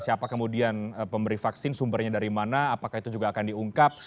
siapa kemudian pemberi vaksin sumbernya dari mana apakah itu juga akan diungkap